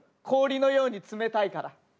氷のように冷たいから。